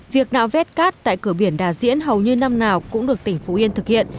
việc nạo vét cát tại cửa biển đà diễn hầu như năm nào cũng được tỉnh phú yên thực hiện